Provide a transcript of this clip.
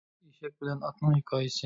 ئېشەك بىلەن ئاتنىڭ ھېكايىسى